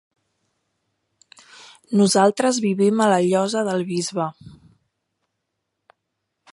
Nosaltres vivim a la Llosa del Bisbe.